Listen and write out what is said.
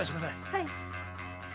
はい。